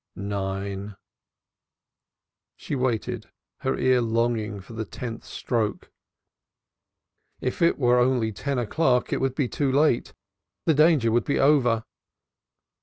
Nine! She waited, her ear longing for the tenth stroke. If it were only ten o'clock, it would be too late. The danger would be over.